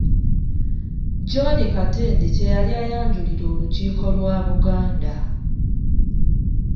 John Katende kye yali ayanjulira olukiiko lwa Buganda.